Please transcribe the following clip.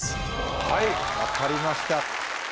はい分かりました。